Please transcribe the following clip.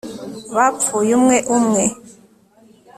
bapfuye umwe umwe